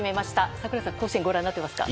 櫻井さん、甲子園ご覧になってますか？